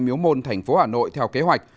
miếu môn tp hà nội theo kế hoạch